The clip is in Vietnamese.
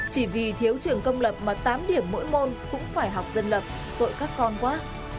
chỉ vì thiếu trường công lập mà tám điểm mỗi môn cũng phải học dân lập tội các con quá